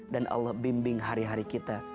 dan allah bimbing hari hari kita